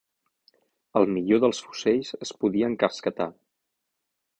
El millor dels fusells es podia encasquetar